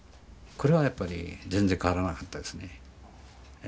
これはやっぱり全然変わらなかったですね。